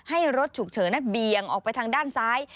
ให้รถฉุกเฉินนั้นเบียงออกไปทางด้านซ้าย